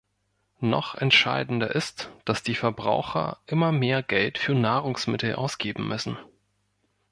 Noch entscheidender ist, dass die Verbraucher immer mehr Geld für Nahrungsmittel ausgeben müssen.